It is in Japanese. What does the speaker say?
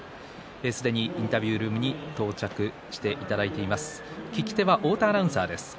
すでにインタビュールームに到着していただいています。